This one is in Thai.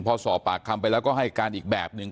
พอสอบปากคำไปแล้วก็ให้การอีกแบบหนึ่ง